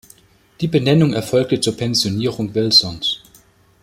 Die Benennung erfolgte zur Pensionierung Wilsons.